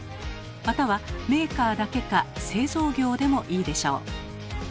または「メーカー」だけか「製造業」でもいいでしょう。